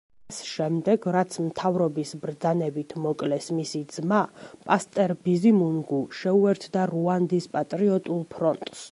მას შემდეგ, რაც მთავრობის ბრძანებით მოკლეს მისი ძმა, პასტერ ბიზიმუნგუ შეუერთდა რუანდის პატრიოტულ ფრონტს.